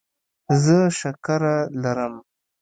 زه شکره لرم.